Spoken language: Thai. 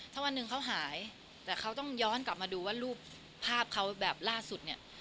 ถ้าวันหนึ่งเขาหายแต่เขาต้องย้อนกลับมาดูว่ารูปภาพเขาแบบล่าสุดเนี่ย